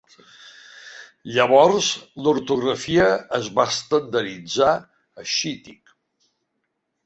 Llavors l'ortografia es va estandarditzar a Chetek.